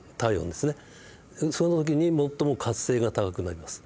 その時に最も活性が高くなります。